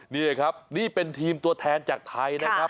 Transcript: นี่เลยครับนี่เป็นทีมตัวแทนจากไทยนะครับ